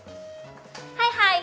はいはい！